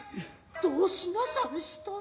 どうしなさんした。